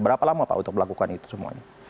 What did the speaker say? berapa lama pak untuk melakukan itu semuanya